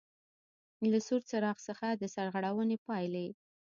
له سور څراغ څخه د سرغړونې پاېلې: